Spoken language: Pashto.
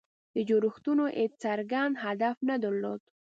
دې جوړښتونو هېڅ څرګند هدف نه درلود.